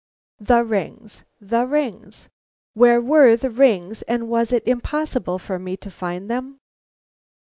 The rings! the rings! Where were the rings, and was it impossible for me to find them?